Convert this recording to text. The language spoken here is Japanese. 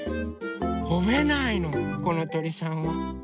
とべないのこのとりさんは。